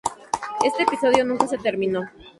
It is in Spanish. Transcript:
Este episodio nunca se terminó.